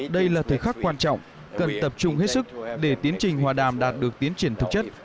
đây là thời khắc quan trọng cần tập trung hết sức để tiến trình hòa đàm đạt được tiến triển thực chất